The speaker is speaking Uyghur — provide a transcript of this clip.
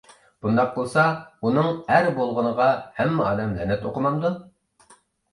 بۇنداق قىلسا ئۇنىڭ ئەر بولغىنىغا ھەممە ئادەم لەنەت ئوقۇمامدۇ؟